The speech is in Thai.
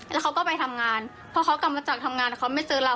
แล้วเขาก็ไปทำงานเพราะเขากลับมาจากทำงานเขาไม่เจอเรา